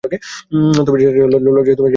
তবে ছাত্রীরা লজ্জায় এসব প্রকাশ করতে চায় না।